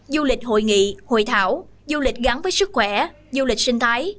du lịch hội nghị hội thảo du lịch gắn với sức khỏe du lịch sinh thái